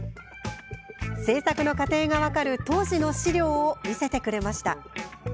制作の過程が分かる当時の資料を見せてくれました。